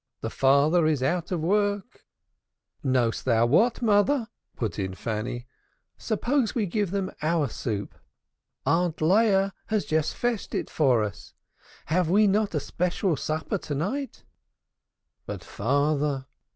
The father is out of work." "Knowest thou what, mother," put in Fanny. "Suppose we give them our soup. Aunt Leah has just fetched it for us. Have we not a special supper to night?" "But father?"